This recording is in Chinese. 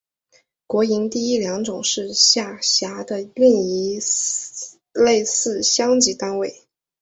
国营第一良种是下辖的一个类似乡级单位。